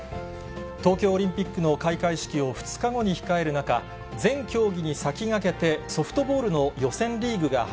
東京オリンピックの開会式を２日後に控える中、全競技に先駆けて、ソフトボールの予選リーグが始